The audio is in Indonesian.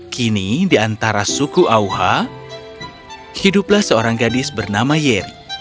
kini di antara suku auha hiduplah seorang gadis bernama yeri